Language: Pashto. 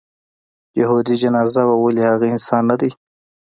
یهودي جنازه وه ولې هغه انسان نه دی.